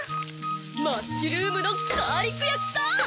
マッシュルームのガーリックやきさ！